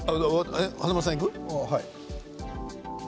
華丸さんいく？